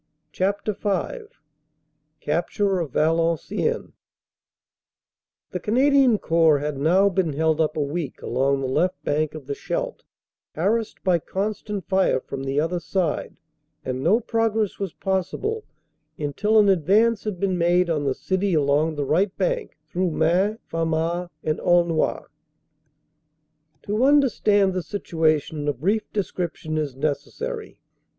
CHAPTER V CAPTURE OF VALENCIENNES THE Canadian Corps had now been held up a week along the left bank of the Scheldt, harassed by constant fire from the other side, and no progress was possible until an advance had been made on the city along the right bank, through Maing, Famars and Aulnoy. To understand the situation a brief description is neces sary.